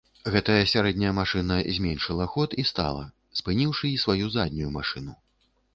Гэтая сярэдняя машына зменшыла ход і стала, спыніўшы і сваю заднюю машыну.